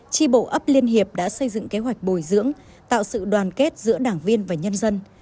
tri bộ ấp liên hiệp đã xây dựng kế hoạch bồi dưỡng tạo sự đoàn kết giữa đảng viên và nhân dân